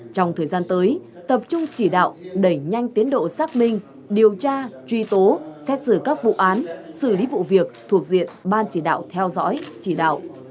trong thời gian tới tập trung chỉ đạo đẩy nhanh tiến độ xác minh điều tra truy tố xét xử các vụ án xử lý vụ việc thuộc diện ban chỉ đạo theo dõi chỉ đạo